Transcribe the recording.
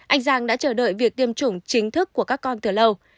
anh giang đã chờ đợi việc tiêm chủng chính thức của các con từ lâu